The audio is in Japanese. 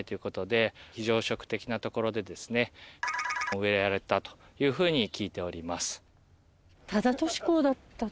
加藤清正公がというふうに聞いております。